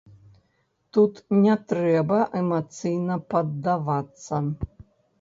Тут не трэба эмацыйна паддавацца.